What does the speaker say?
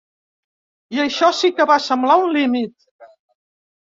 I això sí que va semblar un límit.